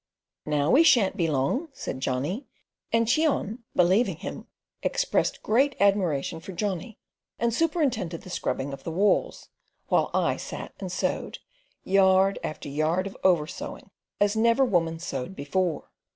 "Now we shan't be long," said Johnny, and Cheon, believing him, expressed great admiration for Johnny, and superintended the scrubbing of the walls, while I sat and sewed, yard after yard of oversewing, as never woman sewed before.